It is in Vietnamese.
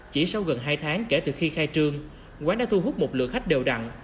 chỉ sau gần hai tháng kể từ khi khai trương quán đã thu hút một lượng khách đều đặn